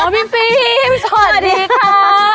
พี่ปริมฝ์สวัสดีค่ะ